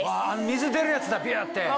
水出るやつだピュって。